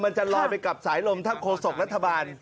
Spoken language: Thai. มันจะลอยไปกับสายลมท่านโฆษกรัฐบาล